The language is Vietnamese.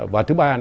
và thứ ba